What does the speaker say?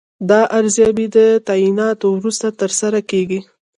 دا ارزیابي د تعیناتو وروسته ترسره کیږي.